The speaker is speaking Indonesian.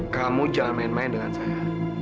kamu jangan main main dengan saya